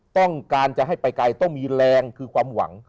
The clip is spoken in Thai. ต้องการจะให้ไปไกลต้องมีแรงคือความหวัง